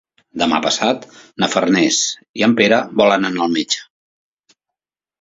Demà passat na Farners i en Pere volen anar al metge.